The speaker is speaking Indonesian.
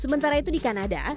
sementara itu di kanada